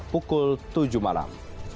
pukul tujuh malam